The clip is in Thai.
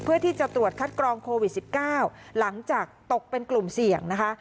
เพื่อที่จะตรวจคัดกรองโควิด๑๙หลังจากตกเป็นกลุ่มเสี่ยงนะคะ